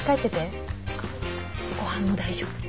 あっご飯も大丈夫。